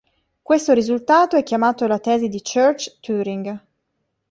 Questo risultato è chiamato la tesi di Church-Turing.